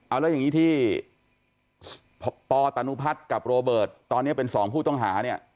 เอาแล้วอย่างนี้ที่ปตนุพัฒน์กับโรเบิร์ตตอนนี้เป็นสองผู้ต้องหาเนี่ย